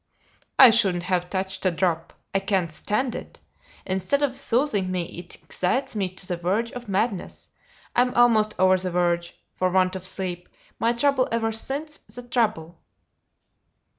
"I shouldn't have touched a drop. I can't stand it. Instead of soothing me it excites me to the verge of madness. I'm almost over the verge for want of sleep my trouble ever since the trouble."